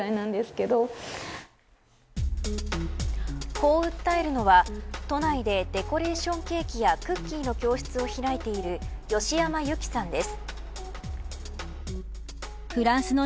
こう訴えるのは都内でデコレーションケーキやクッキーの教室を開いている義山友紀さんです。